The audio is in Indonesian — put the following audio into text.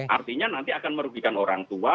artinya nanti akan merugikan orang tua